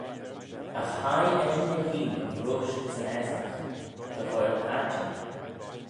Agh hie eshyn eh-hene roish gys yn aasagh, dy ghoaill padjer.